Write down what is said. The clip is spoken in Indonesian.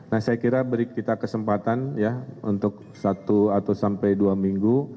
nah saya kira beri kita kesempatan ya untuk satu atau sampai dua minggu